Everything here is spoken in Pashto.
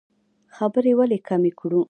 خبرې ولې کمې کړو؟